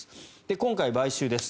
今回、買収です。